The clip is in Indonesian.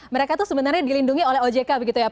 mereka itu sebenarnya dilindungi oleh ojk